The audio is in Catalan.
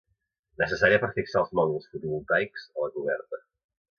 Necessària per a fixar els mòduls fotovoltaics a la coberta